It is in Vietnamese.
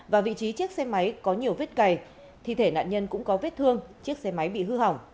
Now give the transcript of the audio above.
và vị trí chiếc xe máy có nhiều vết cầy thi thể nạn nhân cũng có vết thương chiếc xe máy bị hư hỏng